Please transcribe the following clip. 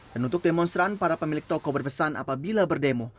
dan untuk demonstran para pemilik toko berpesan apabila berdemo